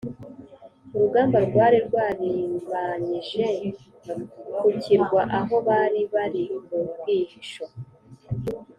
Urugamba rwari rwarimbanyije kukirwa aho bari bari mu bwihisho